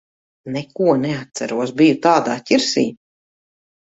Neko neatceros. Biju tādā ķirsī.